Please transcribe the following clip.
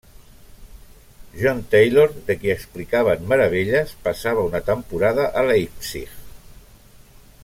John Taylor, de qui explicaven meravelles, passava una temporada a Leipzig.